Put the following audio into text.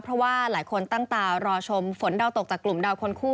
เพราะว่าหลายคนตั้งตารอชมฝนดาวตกจากกลุ่มดาวคนคู่